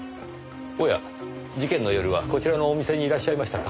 おや事件の夜はこちらのお店にいらっしゃいましたか。